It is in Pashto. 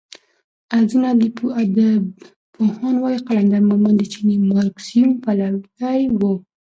ځینې ادبپوهان وايي قلندر مومند د چیني مارکسیزم پلوی و.